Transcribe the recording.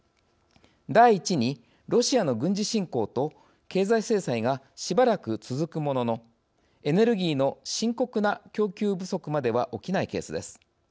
第１にロシアの軍事侵攻と経済制裁がしばらく続くもののエネルギーの深刻な供給不足までは起きないケースです。